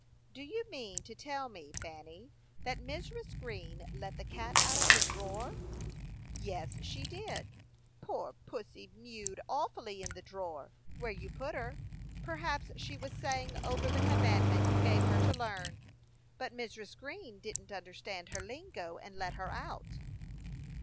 "Do you mean to tell me, Fanny, that Mrs. Green let the cat out of the drawer?" "Yes, she did. Poor pussy mewed awfully in the drawer, where you put her. Perhaps she was saying over the commandment you gave her to learn; but Mrs. Green didn't understand her lingo, and let her out."